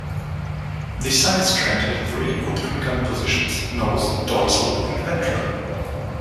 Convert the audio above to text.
The Sidestrand had three open gun positions; nose, dorsal and ventral.